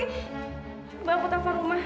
coba aku telfon rumah